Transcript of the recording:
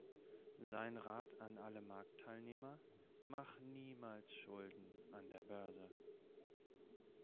Sein Rat an alle Marktteilnehmer: „Mach' niemals Schulden an der Börse.